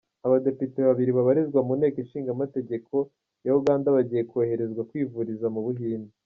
Abadepite babiri babarizwa mu Nteko ishinga amategeko ya Uganda bagiye koherezwa kwivuriza mu Buhinde.